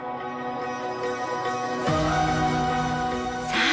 さあ